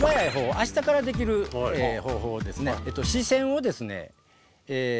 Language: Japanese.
明日からできる方法ですね。